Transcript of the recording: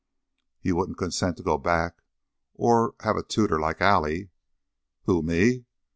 "You wouldn't consent to go back or have a tutor, like Allie?" "Who, _me?